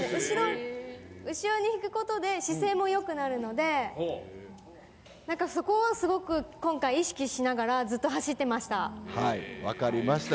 後ろに引くことで、姿勢もよくなるので、なんかそこをすごく今回、意識しながらずっと走ってました。